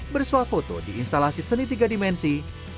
bersuah foto di instalasi seni tiga dimensi